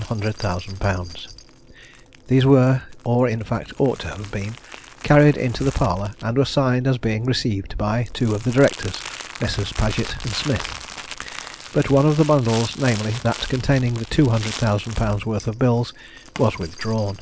_ These were, or in fact ought to have been, carried into the parlour, and were signed as being received by two of the Directors, Messrs. Paget and Smith; but one of the bundles, namely, that containing the 200,000_l._ worth of bills, was withdrawn.